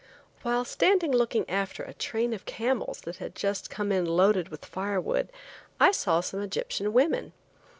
While standing looking after a train of camels that had just come in loaded with firewood I saw some Egyptian women.